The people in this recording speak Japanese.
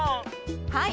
はい。